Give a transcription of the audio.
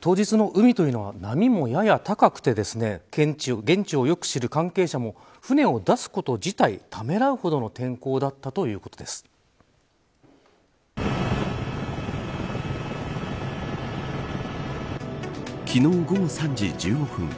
当日の海というのは波もやや高くて現地を良く知る関係者も船を出すこと自体ためらうほどの昨日午後３時１５分